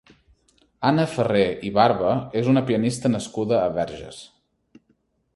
Anna Ferrer i Barba és una pianista nascuda a Verges.